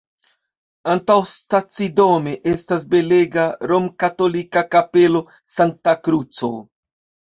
Antaŭstacidome estas belega romkatolika Kapelo Sankta Kruco.